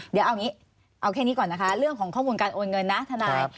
เดี๋ยวเอาแค่นี้ก่อนนะคะเรื่องของข้อมูลการโอนเงินนะทนาย